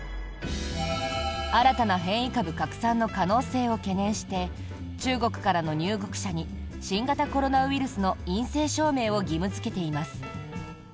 新たな変異株拡散の可能性を懸念して中国からの入国者に新型コロナウイルスの陰性証明を義務付けています。